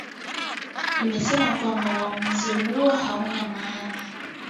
imesema kwamba uamuzi huo hauna maana